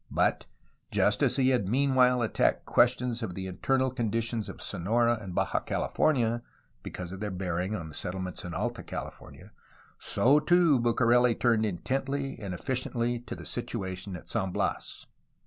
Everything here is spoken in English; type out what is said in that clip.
But, just as he had meanwhile attacked questions of the internal conditions of Sonora and Baja California (because of their bearing upon the settle ments in Alta California), so too Bucareli turned intently and efficiently to the situation at San Bias.